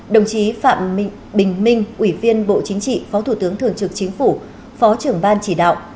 đồng chí phạm bình minh ủy viên bộ chính trị phó thủ tướng thường trực chính phủ phó trưởng ban chỉ đạo